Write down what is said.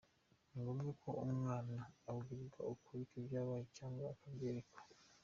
Ni ngombwa ko umwana abwirwa ukuri kw’ibyabaye cyangwa akabyerekwa.